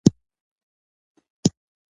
ملالۍ جنګ ته ور دانګي.